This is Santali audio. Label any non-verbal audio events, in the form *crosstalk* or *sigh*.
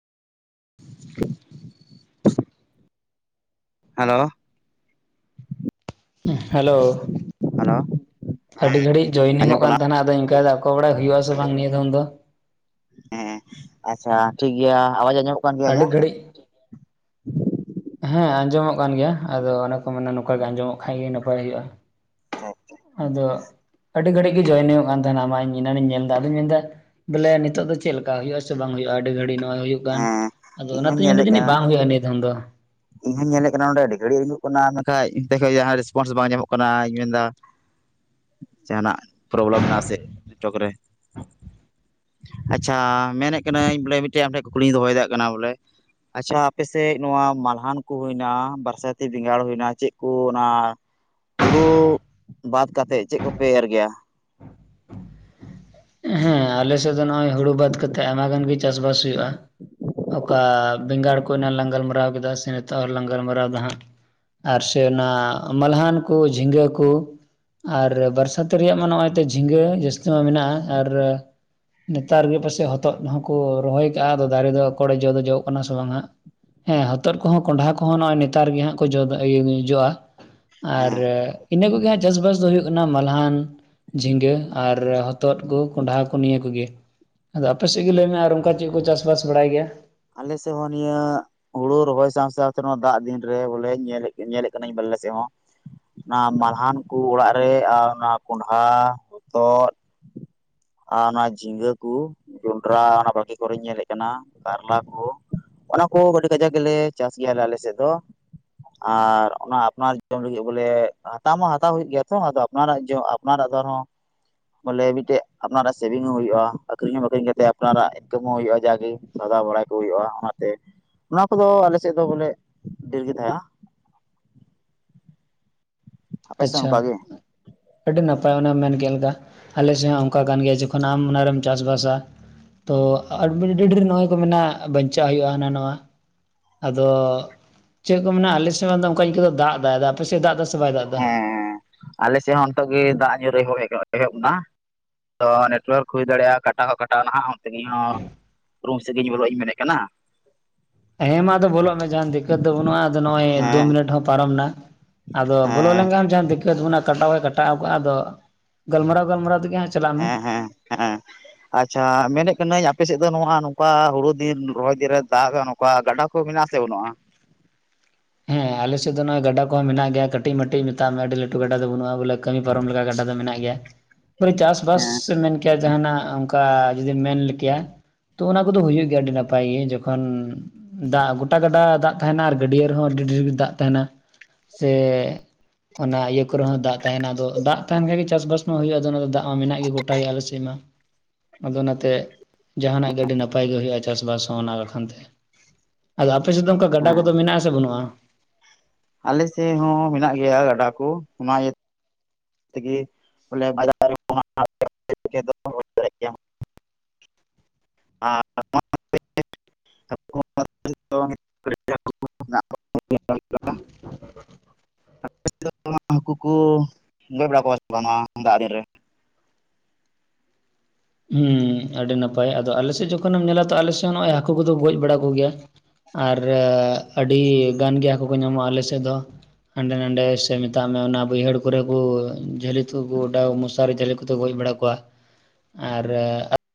*inaudible* ᱦᱮᱞᱳ ᱦᱮᱞᱳ ᱦᱮᱞᱳ ᱟᱹᱰᱤ ᱜᱷᱟᱹᱲᱤᱡ ᱡᱚᱭᱱᱤᱝ ᱚᱜ ᱟᱸᱡᱚᱢᱚᱜ ᱠᱟᱱ ᱠᱟᱱᱟ ᱛᱟᱦᱮᱱᱟ ᱟᱫᱚᱧ ᱤᱱᱠᱟᱹᱭᱟᱫᱟ ᱚᱠᱚᱭ ᱵᱟᱲᱟᱭ ᱦᱩᱭᱩᱜᱼᱟ ᱥᱮ ᱵᱟᱝ ᱱᱤᱭᱟ. ᱫᱚᱢ ᱫᱚ ᱦᱮᱸ ᱟᱪᱷᱟ ᱴᱷᱤᱠ ᱜᱮᱭᱟ ᱟᱣᱟᱡ ᱟᱸᱡᱚᱢᱚᱜ ᱠᱟᱱ ᱜᱮᱭᱟ ᱟᱹᱰᱤ ᱤᱧᱟᱹᱜ? ᱜᱷᱟᱹᱲᱤᱡ ᱦᱮᱸ ᱟᱸᱡᱚᱢᱚᱜ ᱠᱟᱱ ᱜᱮᱭᱟ ᱟᱫᱚ ᱚᱱᱮ ᱠᱚ ᱢᱮᱱᱟ ᱱᱚᱝᱠᱟ ᱜᱮ ᱟᱸᱡᱚᱢᱚᱜ ᱠᱷᱟᱱ ᱜᱮ ᱱᱟᱯᱟᱭ ᱦᱩᱭᱩᱜᱼᱟ᱾ *unintelligible* ᱟᱫᱚ ᱟᱹᱰᱤ ᱜᱷᱟᱹᱲᱤᱡ ᱜᱮ ᱡᱚᱭᱮᱱ ᱦᱩᱭᱩᱜ ᱠᱟᱱ ᱛᱟᱦᱮᱸᱱᱟ ᱢᱟ ᱤᱧ ᱮᱱᱟᱱ ᱤᱧ ᱧᱮᱞ ᱮᱫᱟ ᱟᱫᱚᱧ ᱢᱮᱱᱫᱟ ᱵᱚᱞᱮ ᱱᱤᱛᱚᱜ ᱫᱚ ᱪᱮᱫ ᱞᱮᱠᱟ ᱦᱩᱭᱩᱜ-ᱟ ᱥᱮ ᱵᱟᱝ ᱦᱩᱭᱩᱜᱼᱟ ᱟᱹᱰᱤ ᱜᱷᱟᱹᱲᱤ ᱱᱚᱣᱟ ᱦᱩᱭᱩᱜᱼᱟ ᱦᱮᱸ ᱟᱫᱚ ᱤᱧ ᱦᱚᱧ ᱚᱱᱟᱛᱤᱧ ᱢᱮᱱᱫᱟ ᱧᱮᱞᱮᱫ ᱡᱟᱹᱱᱤᱡ ᱠᱟᱱᱟ ᱵᱟᱝ ᱦᱩᱭᱩᱜᱼᱟ ᱱᱤᱭᱟ. ᱫᱷᱚᱢ ᱫᱚ ᱤᱧ ᱦᱚᱧ ᱧᱮᱞᱮ ᱠᱟᱱᱟ ᱱᱚᱸᱰᱮ ᱟᱹᱰᱤ ᱜᱷᱟᱹᱲᱤᱡ ᱮ ᱩᱢᱩᱜ ᱠᱟᱱᱟ ᱢᱮᱱᱠᱷᱟᱡ ᱚᱱᱛᱮ ᱠᱷᱚᱡ ᱡᱟᱦᱟᱸ ᱨᱮᱥᱯᱚᱱᱥ ᱵᱟᱝ ᱧᱟᱢᱚᱜ ᱠᱟᱱᱟ ᱤᱧ ᱢᱮᱱᱫᱟ ᱡᱟᱦᱟᱱᱟᱜ ᱯᱚᱨᱚᱵᱮᱞᱮᱢ ᱢᱮᱱᱟᱜ-ᱟ ᱥᱮ ᱪᱮᱫ ᱪᱚᱠ ᱨᱮ ᱟᱪᱪᱷᱟ ᱢᱮᱱᱮᱫ ᱠᱟᱹᱱᱟᱹᱧ ᱵᱚᱞᱮ ᱢᱤᱫ ᱴᱮᱡ ᱟᱢ ᱴᱷᱮᱱ ᱠᱩᱠᱞᱤᱧ ᱫᱚᱦᱚᱭᱮᱫᱟ ᱠᱟᱱᱟ ᱵᱚᱞᱮ ᱟᱪᱪᱷᱟ ᱟᱯᱮ ᱥᱮᱫ ᱱᱚᱶᱟ ᱢᱟᱞ ᱦᱟᱱ ᱠᱚ ᱦᱩᱭᱮᱱᱟ ᱵᱟᱹᱨᱥᱟᱭᱛᱤ ᱵᱮᱸᱜᱟᱲ ᱦᱩᱭᱱᱟ᱾ ᱪᱮᱫ ᱠᱚ ᱚᱱᱟ ᱦᱩᱲᱩ ᱵᱟᱫ ᱠᱟᱛᱮᱫ ᱪᱮᱫ ᱠᱚᱯᱮ ᱮᱨ ᱜᱮᱭᱟ? *inaudible* ᱦᱮᱸ ᱟᱞᱮ ᱥᱮᱫ ᱫᱚ ᱱᱚᱜᱚᱭ ᱦᱩᱲᱩ ᱵᱟᱫᱽ ᱠᱟᱛᱮᱜ ᱟᱭᱢᱟ ᱜᱟᱱ ᱜᱮ ᱪᱟᱥ ᱵᱟᱥ ᱦᱩᱭᱩᱜᱼᱟ ᱚᱠᱟ ᱵᱮᱝᱜᱟᱲ ᱠᱚᱨᱮᱱᱟᱜ ᱞᱟᱝ ᱜᱟᱞᱢᱟᱨᱟᱣ ᱠᱮᱫᱼᱟ ᱥᱮ ᱱᱤᱛᱚᱜ ᱦᱚᱞᱟᱝ ᱜᱟᱞᱢᱟᱨᱟᱣᱮᱫᱟ ᱦᱟᱸᱜ ᱟᱨ ᱥᱮ ᱚᱱᱟ ᱢᱟᱞᱦᱟᱱ ᱠᱚ ᱡᱷᱤᱸᱜᱟᱹ ᱠᱚ ᱟᱨ ᱵᱟᱨᱥᱟᱛ ᱨᱮᱭᱟᱜ ᱢᱟ ᱱᱚᱜᱼᱚᱭ ᱡᱷᱤᱸᱜᱟᱹ ᱡᱟᱹᱥᱛᱤ ᱢᱟ ᱢᱮᱱᱟᱜᱼᱟ ᱟᱨ ᱱᱮᱛᱟᱨ ᱜᱮ ᱯᱟᱥᱮᱡ ᱦᱚᱛᱚᱫ ᱦᱚᱸᱠᱚ ᱨᱚᱦᱚᱭ ᱟᱠᱟᱟᱜᱼᱟ ᱟᱫᱚ ᱫᱟᱨᱮ ᱫᱚ ᱮᱠᱚᱲ ᱡᱚ ᱫᱚ ᱡᱚᱜ ᱠᱟᱱᱟ ᱥᱮ ᱵᱟᱝᱼᱟ ᱦᱮᱸ ᱦᱚᱛᱚᱫ ᱠᱚᱦᱚᱸ ᱠᱚᱸᱰᱷᱟ ᱠᱚᱦᱚᱸ ᱱᱚᱜᱚᱭ ᱱᱮᱛᱟᱨ ᱜᱮ ᱦᱟᱸᱜ ᱠᱚ ᱡᱚᱫᱽ ᱤᱭᱟᱹ ᱡᱚᱜᱼᱟ ᱟᱨ ᱦᱮᱸ ᱤᱱᱟᱹ ᱠᱚᱜᱮ ᱦᱟᱸᱜ ᱪᱟᱥ ᱵᱟᱥ ᱫᱚ ᱦᱩᱭᱩᱜ ᱠᱟᱱᱟ ᱢᱟᱞᱦᱟᱱ ᱡᱷᱤᱸᱜᱟᱹ ᱟᱨ ᱦᱚᱛᱚᱫ ᱠᱚ ᱠᱚᱸᱰᱷᱟ ᱠᱚ ᱱᱤᱭᱟᱹ ᱠᱚᱜᱮ ᱟᱫᱚ, ᱟᱯᱮ ᱥᱮᱫ ᱜᱮ ᱞᱟᱹᱭ ᱢᱮ ᱟᱨ ᱚᱱᱠᱟ ᱪᱮᱫ ᱠᱚ ᱪᱟᱥ ᱵᱟᱥ ᱵᱟᱲᱟᱭ ᱜᱮᱭᱟ? ᱟᱞᱮ ᱥᱮᱫ ᱦᱚᱸ ᱱᱤᱭᱟᱹ ᱦᱩᱲᱩ ᱨᱚᱦᱚᱭ ᱥᱟᱶ ᱥᱟᱶᱛᱮ ᱫᱟᱜ ᱫᱤᱱ ᱨᱮ ᱵᱚᱞᱮ ᱧᱮᱞᱮᱫ ᱠᱟᱱᱟᱹᱧ ᱵᱟᱨᱞᱮ ᱥᱮᱫ ᱦᱚᱸ ᱚᱱᱟ ᱢᱟᱞᱦᱟᱱ ᱠᱚ ᱚᱲᱟᱜ ᱨᱮ ᱚᱱᱟ ᱠᱚᱸᱰᱷᱟ ᱦᱚᱛᱚᱫ ᱟᱨ ᱚᱱᱟ ᱡᱷᱤᱸᱜᱟᱹ ᱠᱚ ᱡᱚᱱᱰᱨᱟ ᱚᱱᱟ ᱵᱟᱠᱤ ᱠᱚᱨᱮᱧ ᱧᱮᱞᱮᱫ ᱠᱟᱱᱟ ᱠᱟᱨᱞᱟ ᱠᱚ ᱚᱱᱟ ᱠᱚ ᱟᱹᱰᱤ ᱠᱟᱡᱟᱠ ᱜᱮᱞᱮ ᱪᱟᱥ ᱜᱮᱭᱟ ᱟᱞᱮ ᱥᱮᱫ ᱫᱚ᱾ ᱟᱨ ᱚᱱᱟ ᱟᱯᱱᱟᱨ ᱡᱚᱢ ᱞᱟᱹᱜᱤᱫ ᱵᱚᱞᱮ ᱦᱟᱛᱟᱣ ᱢᱟ ᱦᱟᱛᱟᱣ ᱦᱩᱭᱩᱜ ᱜᱮᱭᱟ ᱛᱚ ᱟᱫᱚ ᱟᱯᱱᱟᱨᱟᱜ ᱡᱷᱚᱜ ᱟᱯᱱᱟᱨᱟᱜ ᱫᱚᱨ ᱦᱚᱸ ᱵᱚᱞᱮ ᱢᱤᱫ ᱴᱮᱡ ᱟᱯᱱᱟᱨᱟᱜ ᱥᱮᱣᱤᱝ ᱦᱚᱸ ᱦᱳᱭᱳᱼᱟ ᱟᱠᱷᱨᱤᱧ ᱦᱚᱸ ᱟᱠᱠᱷᱨᱤᱧ ᱠᱟᱛᱮᱜ ᱟᱯᱱᱟᱨᱟᱜ ᱤᱱᱠᱟᱢ ᱦᱚᱸ ᱦᱳᱭᱭᱩᱜᱼᱟ ᱡᱟᱜᱮ ᱫᱷᱟᱫᱟᱣ ᱵᱟᱲᱟᱭ ᱠᱚ ᱦᱩᱭᱩᱜᱼᱟ ᱚᱱᱟᱛᱮ ᱚᱱᱟ ᱠᱚᱫᱚ ᱟᱞᱮ ᱥᱮᱫ ᱫᱚ ᱵᱚᱞᱮ ᱰᱷᱮᱨ ᱜᱮ ᱛᱟᱦᱮᱸᱜ-ᱟ ᱟᱯᱮ ᱥᱮᱫ ᱟᱪᱪᱷᱟ ᱚᱱᱠᱟ ᱜᱮ? ᱟᱹᱰᱤ ᱱᱟᱯᱟᱭ ᱚᱱᱮᱢ ᱢᱮᱱ ᱠᱮᱫ ᱞᱮᱠᱟ ᱟᱞᱮ ᱥᱮᱫ ᱦᱚᱸ ᱚᱱᱠᱟ ᱠᱟᱱ ᱜᱮᱭᱟ ᱡᱚᱠᱷᱚᱱ ᱟᱢ ᱚᱱᱟᱨᱮᱢ ᱪᱟᱥᱵᱟᱥᱟ ᱛᱚ ᱟᱹᱰᱤ ᱰᱷᱮᱨ ᱱᱚᱜᱼᱚᱭ ᱠᱚ ᱢᱮᱱᱟᱜᱼᱟ ᱵᱟᱧᱪᱟᱜ ᱦᱩᱭᱩᱜᱼᱟ ᱦᱟᱱᱟ ᱱᱚᱶᱟ ᱟᱫᱚ ᱪᱮᱫ ᱠᱚ ᱢᱮᱱᱟ ᱟᱞᱮ ᱥᱮᱫ ᱚᱱᱠᱟ ᱤᱱᱠᱩ ᱫᱚ ᱫᱟᱜ ᱮᱫᱟ ᱟᱫᱚ ᱟᱯᱮ ᱥᱮᱫ ᱫᱟᱜ ᱮᱫᱟ ᱥᱮ ᱵᱟᱭ ᱫᱟᱜ ᱮᱫᱟ? ᱦᱮᱸ ᱟᱞᱮ ᱥᱮᱫ ᱦᱚᱸ ᱱᱤᱛᱚᱜ ᱜᱮ ᱫᱟᱜ ᱧᱩᱨᱮ ᱮᱦᱚᱵ ᱮᱱᱟ ᱛᱚ ᱱᱮᱴᱚᱣᱟᱨᱠ ᱦᱩᱭ ᱫᱟᱲᱮ ᱭᱟᱜᱼᱟ ᱠᱟᱴᱟᱣ ᱦᱚᱸ ᱠᱟᱴᱟᱣ ᱱᱟᱦᱟᱜ ᱟᱡ ᱛᱮᱜᱮ ᱦᱚᱸ ᱨᱩᱢ ᱥᱮᱫ ᱤᱧ ᱵᱚᱞᱚᱜ ᱤᱧ ᱢᱮᱱ ᱮᱫ ᱠᱟᱱᱟ ᱦᱮᱸ ᱢᱟ ᱟᱫᱚ ᱵᱚᱞᱚᱜ ᱢᱮ ᱡᱟᱦᱟᱱ ᱫᱤᱠᱠᱚᱛ ᱫᱚ ᱵᱟᱹᱱᱩᱜᱼᱟ ᱟᱫᱚ ᱱᱚᱜᱼᱚᱭ ᱫᱩ ᱦᱮᱸ ᱢᱤᱱᱤᱴ ᱦᱚᱸ ᱯᱟᱨᱚᱢ ᱮᱱᱟ ᱟᱫᱚ ᱵᱚᱞᱚ ᱦᱮᱸ ᱞᱮᱱᱠᱷᱟᱱ ᱟᱢ ᱡᱟᱦᱟᱸ ᱫᱤᱠᱟ. ᱛ ᱵᱚᱱᱟ ᱠᱟᱴᱟᱣ ᱵᱟᱭ ᱠᱟᱴᱟᱣ ᱠᱟᱜᱼᱟ ᱟᱫᱚ ᱜᱟᱞᱢᱟᱨᱟᱣ ᱜᱟᱞᱢᱟᱨᱟᱣ ᱛᱮᱜᱮ ᱦᱟᱸᱜ ᱪᱟᱞᱟᱜ ᱢᱮ ᱦᱮᱸ ᱦᱮᱸ ᱦᱮᱸ ᱟᱪᱪᱷᱟ ᱢᱮᱱᱮᱫ ᱠᱟᱹᱱᱟᱹᱧ ᱟᱯᱮ ᱥᱮᱫ ᱫᱚ ᱱᱚᱶᱟ ᱱᱚᱝᱠᱟ ᱦᱩᱲᱩ ᱫᱤᱱ ᱨᱚᱦᱚᱭ ᱫᱤᱱ ᱨᱮ ᱫᱟᱜᱽ ᱱᱚᱠ ᱚᱠᱟ ᱜᱟᱰᱟ ᱠᱚ ᱢᱮᱱᱟᱜ ᱟᱥᱮ ᱵᱟᱹᱱᱩᱜᱼᱟ? ᱦᱮᱸ ᱟᱞᱮᱥᱮᱫ ᱫᱚ ᱱᱚ ᱜᱟᱰᱟ ᱠᱚᱦᱚᱸ ᱢᱮᱱᱟᱜ ᱜᱮᱭᱟ ᱠᱟᱹᱴᱤᱡ ᱢᱟᱴᱤᱡ ᱢᱮᱛᱟᱜ ᱢᱮ ᱟᱹᱰᱤ ᱞᱟᱹᱴᱩ ᱜᱟᱰᱟ ᱫᱚ ᱵᱟᱹᱱᱩᱜᱼᱟ ᱵᱚᱞᱮ ᱠᱟᱹᱢᱤ ᱯᱟᱨᱚᱢ ᱞᱮᱠᱟ ᱜᱟᱰᱟ ᱫᱚ ᱢᱮᱱᱟᱜ ᱜᱮᱭᱟ᱾ *inaudible* ᱯᱚᱨᱮ ᱪᱟᱥᱵᱟᱥ ᱦᱮᱸ ᱢᱮᱱ ᱠᱮᱭᱟ ᱡᱟᱦᱟᱱᱟᱜ ᱚᱝᱠᱟ ᱡᱚᱫᱤᱢ ᱢᱮᱱ ᱠᱮᱭᱟ᱾ ᱛᱚ ᱚᱱᱟ ᱠᱚᱫᱚ ᱦᱩᱭᱩᱜ ᱜᱮᱭᱟ ᱟᱹᱰᱤ ᱱᱟᱯᱟᱭ ᱜᱮ, ᱡᱚᱠᱷᱚᱱ ᱫᱟᱜ ᱜᱚᱴᱟ ᱜᱟᱰᱟ ᱫᱟᱜ ᱛᱟᱦᱮᱱᱟ ᱟᱨ ᱜᱟᱹᱰᱤᱭᱟᱹ ᱨᱮᱦᱚᱸ ᱟᱹᱰᱤ ᱰᱷᱮᱨ ᱜᱮ ᱫᱟᱜ ᱛᱟᱦᱮᱱᱟ᱾ ᱥᱮ ᱚᱱᱟ ᱤᱭᱟᱹ ᱠᱚᱨᱮ ᱦᱚᱸ ᱫᱟᱜ ᱛᱟᱦᱮᱱᱟ ᱟᱫᱚ ᱫᱟᱜ ᱛᱟᱦᱮᱱ ᱠᱷᱟᱱ ᱜᱮ ᱪᱟᱥᱵᱟᱥ ᱢᱟ ᱦᱩᱭᱩᱜᱼᱟ ᱟᱫᱚ ᱚᱱᱟ ᱫᱚ ᱫᱟᱜ ᱢᱟ ᱢᱮᱱᱟᱜ ᱜᱮ ᱜᱚᱴᱟ ᱜᱮ ᱟᱞᱮ ᱥᱮᱜ ᱢᱟ᱾ ᱟᱫᱚ ᱚᱱᱟᱛᱮ ᱡᱟᱦᱟᱱᱟᱜ ᱜᱮ ᱟᱹᱰᱤ ᱱᱟᱯᱟᱭ ᱜᱮ ᱦᱩᱭᱩᱜᱼᱟ ᱪᱟᱥᱵᱟᱥ ᱦᱚᱸ ᱚᱱᱟ ᱵᱟᱠᱷᱟᱱ ᱛᱮ᱾ ᱟᱫᱚ ᱟᱯᱮ ᱥᱮᱫ ᱫᱚ ᱚᱱᱠᱟ ᱜᱟᱰᱟ ᱦᱮᱸ ᱠᱚᱫᱚ ᱢᱮᱱᱟᱜᱼᱟ ᱟᱥᱮ ᱵᱟᱹᱱᱩᱜᱼᱟ? ᱟᱞᱮ ᱥᱮᱜ ᱦᱚᱸ ᱢᱮᱱᱟᱜ ᱜᱮᱭᱟ ᱜᱟᱰᱟ ᱠᱚ ᱚᱱᱟ ᱤᱭᱟᱹ ᱛᱮᱜᱮ ᱵᱚᱞᱮ *unintelligible* *unintelligible* *unintelligible* *unintelligible* ᱦᱩᱸ ᱟᱹᱰᱤ ᱱᱟᱯᱟᱭ ᱟᱫᱚ ᱟᱞᱮ ᱥᱮᱫ ᱡᱚᱠᱷᱚᱱᱮᱢ ᱧᱮᱞᱟ ᱛᱚ ᱟᱞᱮ ᱥᱮᱫ ᱱᱚᱜ ᱚᱭ ᱦᱟᱹᱠᱩ ᱠᱚᱫᱚ ᱜᱚᱡ ᱵᱟᱲᱟ ᱠᱚᱜᱮᱭᱟ᱾ ᱟᱨ ᱟᱹᱰᱤ ᱜᱟᱱ ᱜᱮ ᱦᱟᱹᱠᱩ ᱠᱚ ᱧᱟᱢᱚᱜᱼᱟ ᱟᱞᱮ ᱥᱮᱫ ᱫᱚ᱾ ᱦᱟᱸᱰᱮ ᱱᱟᱰᱮ ᱥᱮ ᱢᱮᱛᱟᱜ ᱢᱮ ᱚᱱᱟ ᱵᱟᱹᱭᱦᱟᱹᱲ ᱠᱚᱨᱮ ᱠᱚ ᱡᱷᱟᱞᱤ ᱛᱚ ᱜᱚᱰᱟ ᱢᱚᱥᱟᱨᱤ ᱡᱟᱞᱮ ᱠᱚ ᱜᱚᱡ ᱵᱟᱲᱟ ᱠᱚᱣᱟ ᱟᱨ